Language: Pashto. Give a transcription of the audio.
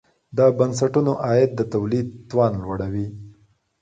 د بنسټونو عاید د تولید توان لوړوي.